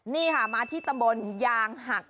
นี่ค่ะมาที่ตำบลยางหัก